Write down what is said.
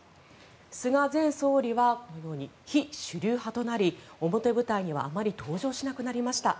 菅前総理はこのように非主流派となり表舞台にはあまり登場しなくなりました。